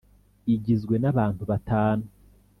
igizwe n abantu batanu